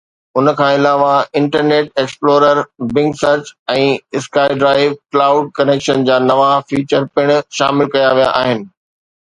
ان کان علاوه internet explorer, Bing search ۽ SkyDrive cloud connection جا نوان فيچر پڻ شامل ڪيا ويا آهن.